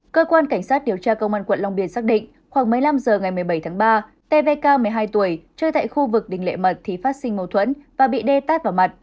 cơ quan cảnh sát điều tra công an quận long biên xác định khoảng một mươi năm h ngày một mươi bảy tháng ba tê ve cao một mươi hai tuổi chơi tại khu vực đỉnh lệ mật thì phát sinh mâu thuẫn và bị đê tát vào mặt